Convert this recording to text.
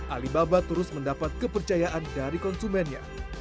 alibaba terus mendapat kepercayaan dari konsumennya